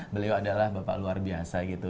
beliau adalah bapak luar biasa gitu